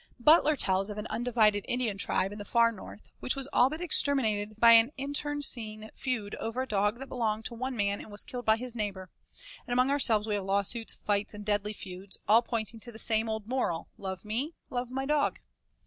Butler tells of an undivided Indian tribe, in the Far North which was all but exterminated by an internecine feud over a dog that belonged to one man and was killed by his neighbor; and among ourselves we have lawsuits, fights, and deadly feuds, all pointing the same old moral, 'Love me, love my dog.'